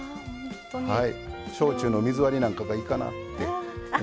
焼酎の水割りなんかがいいかなって思ってます。